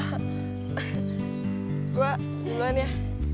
gue jalan ya